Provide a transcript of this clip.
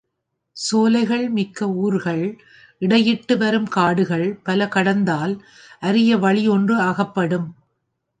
சோலைகள் மிக்க ஊர்கள் இடையிட்டு வரும் காடுகள் பல கடந்தால் அரிய வழி ஒன்று அகப்படும்.